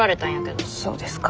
そうですか。